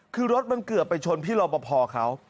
คือรถมันเกือบไปชนพี่รอปภเขา